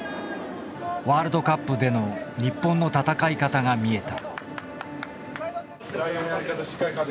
ワールドカップでの日本の戦い方が見えた。